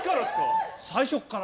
最初から。